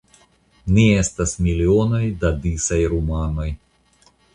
Ni estas milionoj da disaj rumanoj.